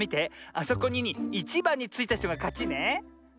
あそこにいちばんについたひとがかちね。